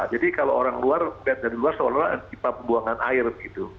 jadi kalau orang luar lihat dari luar seolah olah pipa pembuangan air gitu